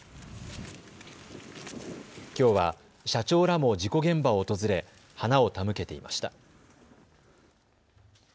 きょうは社長らも事故現場を訪れ花を手向けていました。